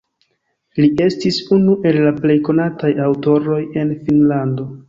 Li estis unu el la plej konataj aŭtoroj en Finnlando.